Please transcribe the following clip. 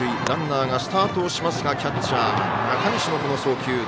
ランナーがスタートしますがキャッチャー中西のこの送球。